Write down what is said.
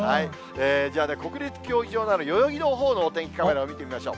じゃあね、国立競技場のある代々木のほうのお天気カメラを見てみましょう。